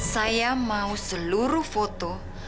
saya mau seluruh foto